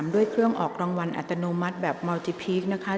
ด้วยเครื่องออกรางวัลอัตโนมัติแบบเมาจิพีคนะคะ